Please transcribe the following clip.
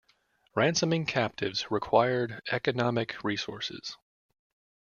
Ransoming captives required economic resources.